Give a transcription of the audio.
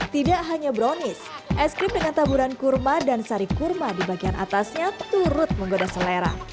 tidak hanya brownies es krim dengan taburan kurma dan sari kurma di bagian atasnya turut menggoda selera